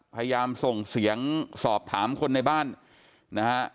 พยายามส่งเสียงสอบถามคนในบ้านนะฮะ